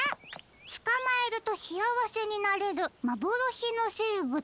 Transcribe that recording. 「つかまえるとしあわせになれるまぼろしのせいぶつ！！